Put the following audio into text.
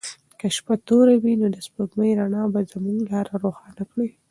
که شپه توره وي نو د سپوږمۍ رڼا به زموږ لاره روښانه کړي.